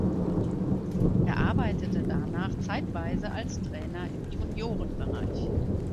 Er arbeitete danach zeitweise als Trainer im Juniorenbereich.